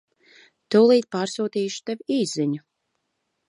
Tūlīt pārsūtīšu tev īsziņu.